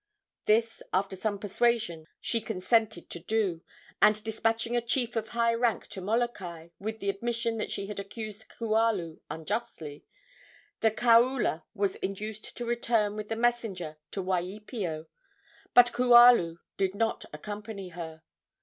This, after some persuasion, she consented to do, and, despatching a chief of high rank to Molokai, with the admission that she had accused Kualu unjustly, the kaula was induced to return with the messenger to Waipio. But Kualu did not accompany her.